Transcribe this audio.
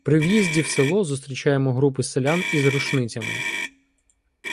При в'їзді в село зустрічаємо групу селян із рушницями.